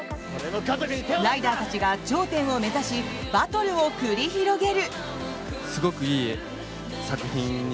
ライダーたちが頂点を目指しバトルを繰り広げる！